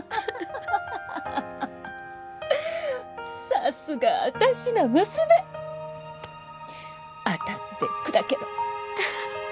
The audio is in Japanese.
さすが私の娘当たって砕けろ！